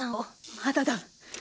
まだだ。